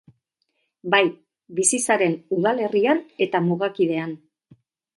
Bai, bizi zaren udalerrian eta mugakidean.